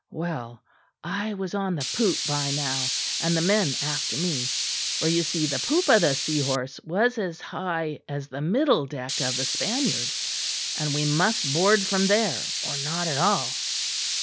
Well I was on the poop by now, and the men after me; for you see the poop of the Seahorse was as high as the middle deck of the Spaniard, and we must board from there or not at all.